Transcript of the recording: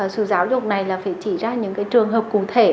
sự giáo dục này là phải chỉ ra những trường hợp cụ thể